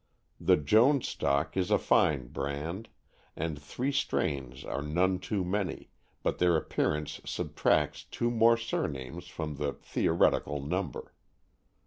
The Jones stock is a fine brand, and three strains are none too many, but their appearance subtracts two more surnames from the theoretical number.